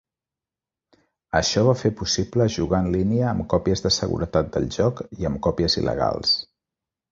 Això va fer possible jugar en línia amb còpies de seguretat del joc i amb còpies il·legals.